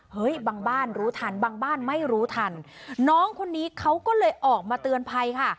บางบ้านรู้ทันบางบ้านไม่รู้ทันน้องคนนี้เขาก็เลยออกมาเตือนภัยค่ะ